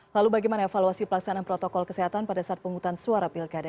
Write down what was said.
lalu bagaimana evaluasi pelaksanaan protokol kesehatan pada saat penghutang suara pilkada